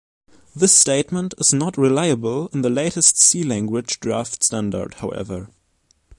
This statement is not reliable in the latest C language draft standard, however.